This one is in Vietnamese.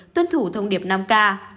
tuân thủ thông điệp năm k